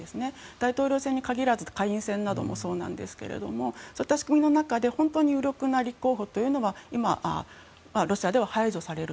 大統領に限らず下院選などもそうなんですけどそういった仕組みの中で有力な立候補はロシアの中で排除される。